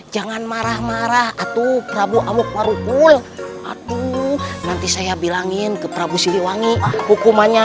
jangan marah marah atau prabu ameg warukul atuh nanti saya bilangin ke prabu siliwangi hukumannya